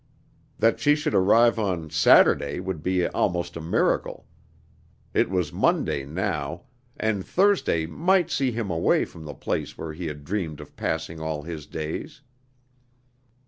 That she should arrive on Saturday would be almost a miracle. It was Monday now, and Thursday might see him away from the place where he had dreamed of passing all his days.